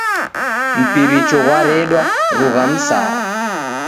Mpiricho ghwaredwa, rugha msara.